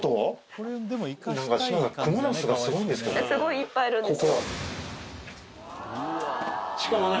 すごいいっぱいいるんですよ。